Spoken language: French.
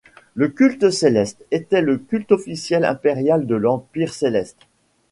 Le culte céleste était le culte officiel impérial de l'Empire Céleste.